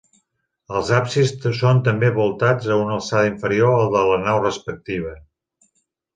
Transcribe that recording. Els absis són també voltats a una alçada inferior a la de la nau respectiva.